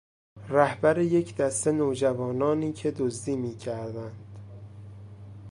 رهبر یک دسته نوجوانانی که دزدی میکردند.